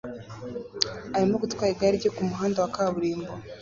arimo gutwara igare rye kumuhanda wa kaburimbo